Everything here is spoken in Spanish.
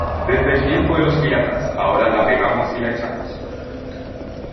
desde el tiempo de los piratas. ahora la pegamos y la echamos